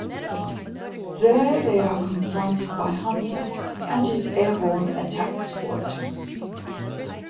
There, they are confronted by Hunter and his airborne attack squad.